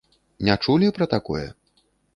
Не чулі пра такое?